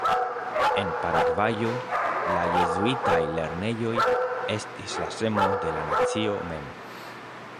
En Paragvajo, la jezuitaj lernejoj estis la semo de la nacio mem.